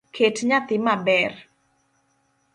Ket nyathi maber